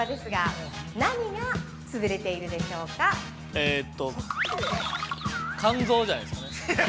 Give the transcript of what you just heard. ◆えっと、肝臓じゃないですかね。